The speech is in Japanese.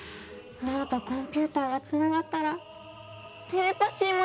脳とコンピューターがつながったらテレパシーもできちゃったりして。